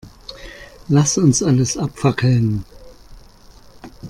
Lass uns alles abfackeln.